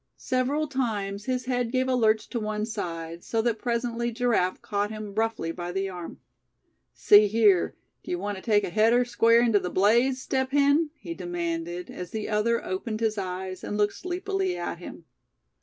Several times his head gave a lurch to one side, so that presently Giraffe caught him roughly by the arm. "See here, d'ye want to take a header square into the blaze, Step Hen?" he demanded, as the other opened his eyes, and looked sleepily at him.